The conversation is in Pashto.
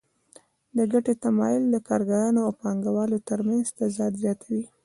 د ګټې تمایل د کارګرانو او پانګوالو ترمنځ تضاد زیاتوي